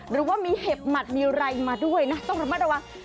หรือว่ามีเห็บหมัดมีอะไรมาด้วยนะต้องระมัดระวัง